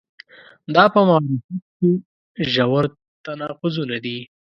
دا په معرفت کې ژور تناقضونه دي.